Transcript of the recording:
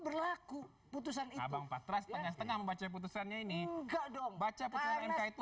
berlaku putusan abang patras tengah tengah membaca putusannya ini enggak dong baca itu